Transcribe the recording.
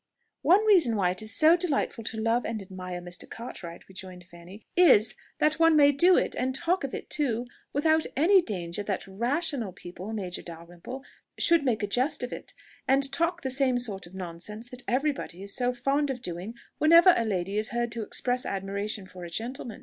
"One reason why it is so delightful to love and admire Mr. Cartwright," rejoined Fanny, "is, that one may do it and talk of it too, without any danger that rational people, Major Dalrymple, should make a jest of it, and talk the same sort of nonsense that every body is so fond of doing whenever a lady is heard to express admiration for a gentleman.